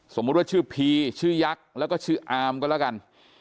สมมุติว่าชื่อพีชื่อยักษ์แล้วก็ชื่ออามก็แล้วกัน